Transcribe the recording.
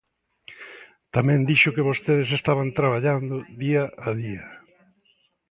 Tamén dixo que vostedes estaban traballando día a día.